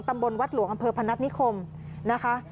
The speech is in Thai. ตำบลวัดหลวงบพนัทนิคมนะคะ